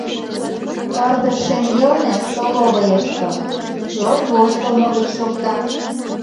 Пырдыж шеҥгелне, столовыйышто, чот воштылмо гыч шокта.